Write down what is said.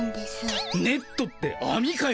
ネットってあみかよ！